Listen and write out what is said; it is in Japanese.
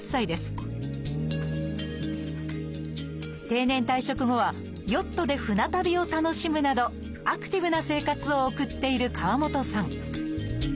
定年退職後はヨットで船旅を楽しむなどアクティブな生活を送っている河本さん。